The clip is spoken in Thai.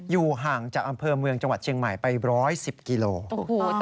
อยู่ห่างจากอำเภอเมืองจังหวัดเชียงใหม่ไป๑๑๐กิโล